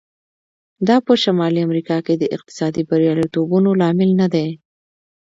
دا په شمالي امریکا کې د اقتصادي بریالیتوبونو لامل نه دی.